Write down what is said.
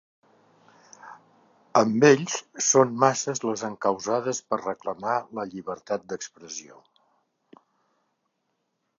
Amb ells són masses les encausades per reclamar la llibertat d’expressió.